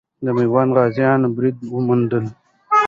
د میوند غازیانو بری موندلی دی.